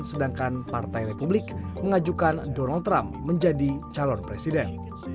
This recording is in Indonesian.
sedangkan partai republik mengajukan donald trump menjadi calon presiden